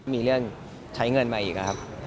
มีเรื่องใช้เงินมาอีกนะครับ